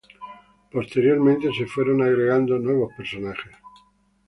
Posteriormente se fueron agregados nuevos personajes.